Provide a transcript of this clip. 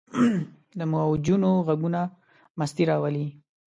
د موجونو ږغونه مستي راولي.